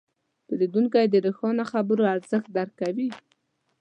پیرودونکی د روښانه خبرو ارزښت درک کوي.